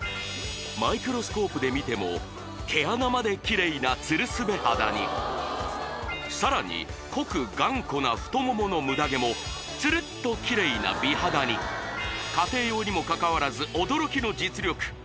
マイクロスコープで見ても毛穴までキレイなつるすべ肌にさらに濃く頑固な太モモのムダ毛もつるっとキレイな美肌に家庭用にもかかわらず驚きの実力